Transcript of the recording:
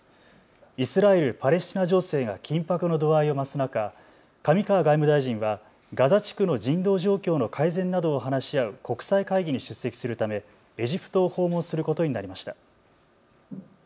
イスラエル・パレスチナ情勢が緊迫の度合いを増す中、上川外務大臣はガザ地区の人道状況の改善などを話し合う国際会議に出席するためエジプトを訪問することになりました。